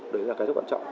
đấy là cái rất quan trọng